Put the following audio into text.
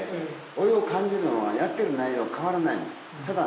老いを感じるのはやってる内容は変わらないんです。